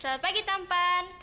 selamat pagi tampan